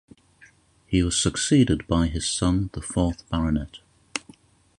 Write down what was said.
He was succeeded by his son, the fourth Baronet.